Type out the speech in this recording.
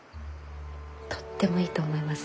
とってもいいと思います。